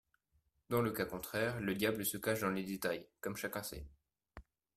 Dans le cas contraire, le diable se cache dans les détails, comme chacun sait.